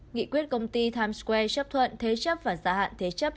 nghị quyết công ty times square chấp thuận thế chấp và gia hạn thế chấp